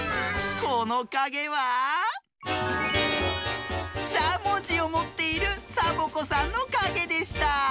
このかげはしゃもじをもっているサボ子さんのかげでした。